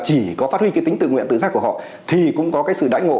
chỉ có phát huy cái tính tự nguyện tự giác của họ